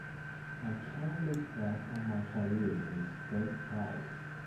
I can look back on my career with great pride.